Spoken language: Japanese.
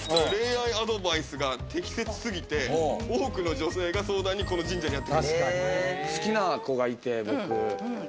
恋愛アドバイスが適切すぎて、多くの女性が相談に、この神社に好きな子がいて、僕。